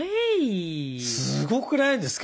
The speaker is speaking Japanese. すごくないですか？